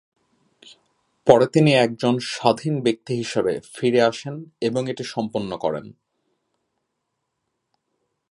পরে তিনি একজন স্বাধীন ব্যক্তি হিসেবে ফিরে আসেন এবং এটি সম্পন্ন করেন।